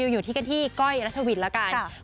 อยู่ที่กันที่ก้อยรัชวินแล้วกัน